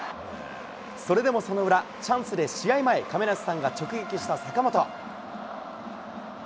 それでもその裏、チャンスで試合前、亀梨さんが直撃した坂本。